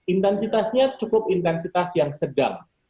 intensitasnya cukup intensitas yang sedang